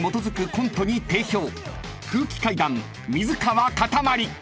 ［空気階段水川かたまり］